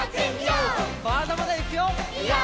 まだまだいくよ！